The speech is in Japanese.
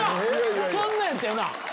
そんなんやったよな。